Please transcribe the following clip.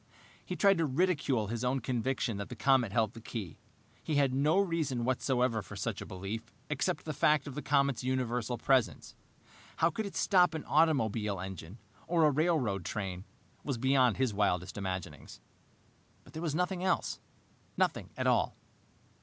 He tried to ridicule his own conviction that the comet held the key. He had no reason whatever for such a belief, except the fact of the comet's universal presence. How it could stop an automobile engine or a railroad train was beyond his wildest imaginings. But there was nothing else. Nothing at all.